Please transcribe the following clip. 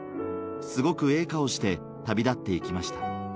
すごくええ顔して旅立っていきました。